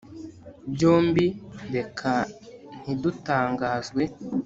Byombi reka ntidutangazwe